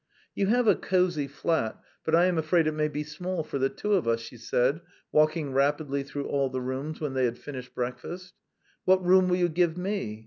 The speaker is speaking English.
"You have a cosy flat, but I am afraid it may be small for the two of us," she said, walking rapidly through all the rooms when they had finished breakfast. "What room will you give me?